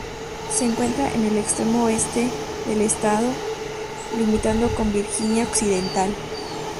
Se encuentra en el extremo oeste del estado, limitando con Virginia Occidental.